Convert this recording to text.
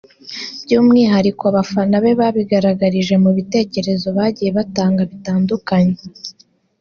byumwihariko abafana be babigaragarije mu bitekerezo bagiye batanga bitandukanye